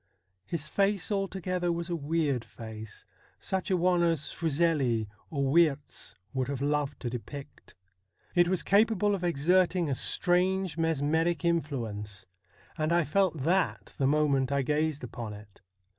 His face altogether was a weird face ; such a one as Fuseli or Wiertz would have loved to depict. It was capable of exerting a strange mesmeric influence, and I felt that the moment I gazed upon it.